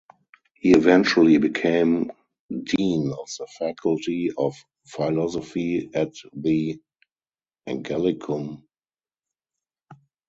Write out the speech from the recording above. He eventually became dean of the Faculty of Philosophy at the Angelicum.